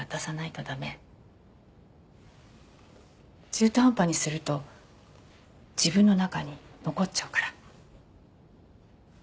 中途半端にすると自分の中に残っちゃうから。